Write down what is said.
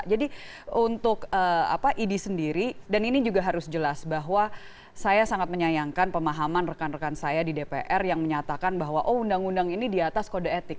jadi untuk idi sendiri dan ini juga harus jelas bahwa saya sangat menyayangkan pemahaman rekan rekan saya di dpr yang menyatakan bahwa undang undang ini di atas kode etik